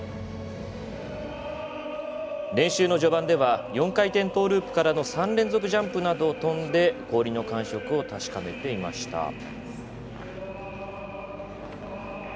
練習の序盤では４回転トーループからの３連続ジャンプなどを跳んで氷の感触を確かめていました。